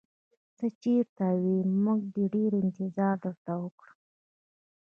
ته چېرته وې؟ موږ ډېر انتظار درته وکړ.